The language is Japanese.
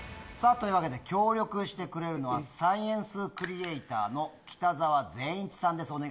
さあ、というわけで、協力してくれるのは、サイエンスクリエーターの北沢善一さんです。